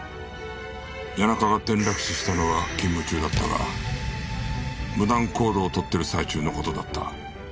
谷中が転落死したのは勤務中だったが無断行動をとってる最中の事だった。